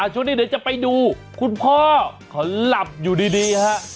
ตอนนี้เดี๋ยวจะไปดูคุณพ่อคลบอยู่ดีนะฮะ